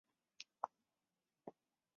镇内一部分为青阳县开发区辖区。